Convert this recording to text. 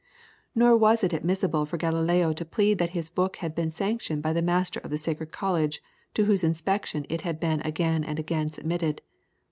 Nor was it admissible for Galileo to plead that his book had been sanctioned by the Master of the Sacred College, to whose inspection it had been again and again submitted.